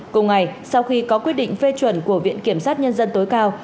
cùng ngày sau khi có quyết định phê chuẩn của viện kiểm sát nhân dân tối cao